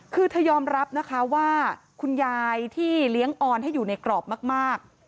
คือเธอยอมรับนะคะว่าคุณยายที่เลี้ยงออนให้อยู่ในกรอบมาก